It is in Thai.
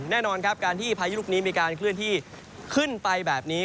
แน่นอนครับการที่พายุลูกนี้มีการเคลื่อนที่ขึ้นไปแบบนี้